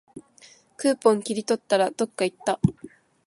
クーポン切り取ったら、どっかいった